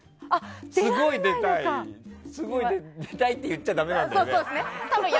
すごい出たいけど出たいって言っちゃだめなんだけど。